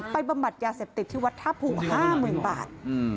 ไปบำบัดยาเสพติดที่วัฒนภูมิ๕๐๐๐๐บาท